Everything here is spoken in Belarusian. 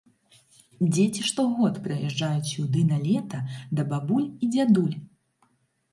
Дзеці штогод прыязджаюць сюды на лета да бабуль і дзядуль.